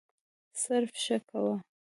صرف «ښه» کوه.